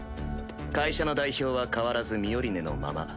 会社の代表は変わらずミオリネのまま。